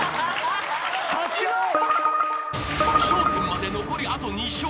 １０まで残りあと２笑］